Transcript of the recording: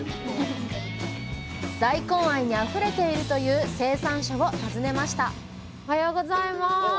大根愛にあふれているという生産者を訪ねましたおはようございます。